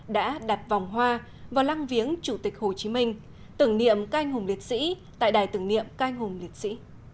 đã đặt vòng hoa vào lăng viếng chủ tịch hồ chí minh tưởng niệm các anh hùng liệt sĩ tại đài tưởng niệm các anh hùng liệt sĩ